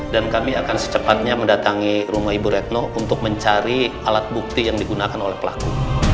dan kami akan secepatnya mendatangi rumah ibu retno untuk mencari alat bukti yang digunakan oleh pelaku